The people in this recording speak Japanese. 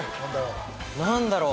何だろう？